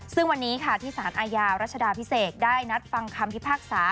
ซึ่งวันนี้ค่ะที่สารอาญารัชดาพิเศษได้นัดฟังคำพิพากษา